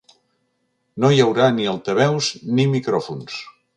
No hi haurà ni altaveus, ni micròfons.